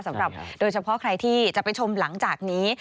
สำหรับโดยเฉพาะใครที่จะไปชมหลังจากนี้